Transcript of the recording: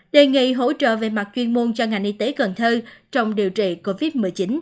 đề nghị hỗ trợ về mặt chuyên môn cho ngành y tế cần thơ trong điều trị covid một mươi chín